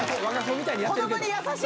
子どもに優しい。